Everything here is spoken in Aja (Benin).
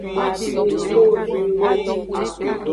Sukuviwo.